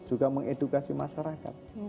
juga mengedukasi masyarakat